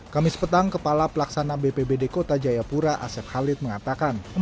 kamis petang kepala pelaksana bpbd kota jayapura asep khalid mengatakan